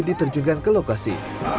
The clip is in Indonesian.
diterjungkan ke lokasi